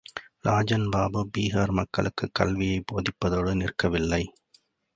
ராஜன்பாபு பீகார் மக்களுக்கு கல்வியைப் போதிப்பதோடு நிற்கவில்லை.